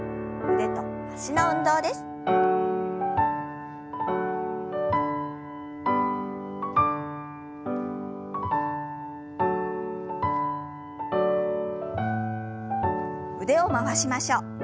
腕を回しましょう。